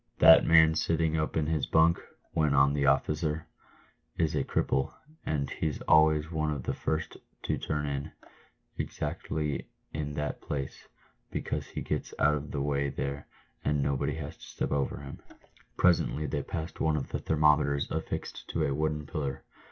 "That man sitting up in his bunk," went on the officer, "is a cripple, and he's always one of the first to turn in, exactly in that place, because he gets out of the way there, and nobody has to step over him." Presently they passed one of the thermometers affixed to a wooden pillar.